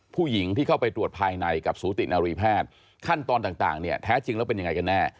ผู้หญิงที่เข้าไปตรวจภายในกับสูตินารีแพทย์ขั้นตอนต่างเนี่ยแท้จริงแล้วเป็นยังไงกันแน่